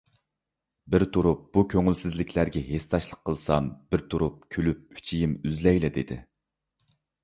بىر تۇرۇپ بۇ كۆڭۈلسىزلىكلەرگە ھېسداشلىق قىلسام، بىر تۇرۇپ كۈلۈپ ئۈچىيىم ئۈزۈلەيلا دېدى.